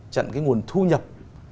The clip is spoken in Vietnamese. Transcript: chặn cái nguồn thu nhập